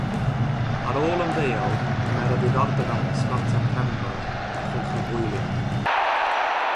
Ar ôl ymddeol cymerodd ddiddordeb mewn pysgota'r cefnfor a chychod hwylio.